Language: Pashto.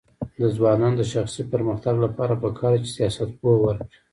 د ځوانانو د شخصي پرمختګ لپاره پکار ده چې سیاست پوهه ورکړي.